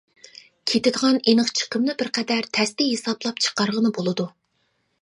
كېتىدىغان ئېنىق چىقىمنى بىر قەدەر تەستە ھېسابلاپ چىقارغىلى بولىدۇ.